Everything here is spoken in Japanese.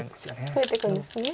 増えていくんですね。